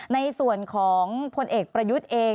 ในส่วนของพลเอกประยุทธ์เอง